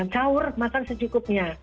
saur makan secukupnya